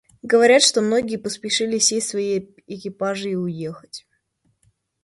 Говорят, что многие поспешили сесть в свои экипажи и уехать.